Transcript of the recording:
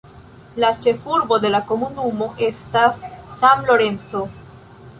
La ĉefurbo de la komunumo estas San Lorenzo.